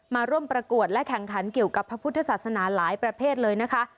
มาร่วมประกวดและแข่งขันเกี่ยวกับพระพุทธศาสนาหลายประเภทเลยนะคะ